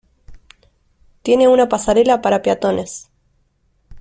Tiene una pasarela para peatones.